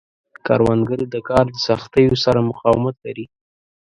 کروندګر د کار د سختیو سره مقاومت لري